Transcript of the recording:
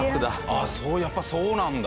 ああそうやっぱそうなんだ。